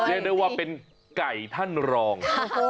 เรียกได้ว่าเป็นไก่ท่านรอง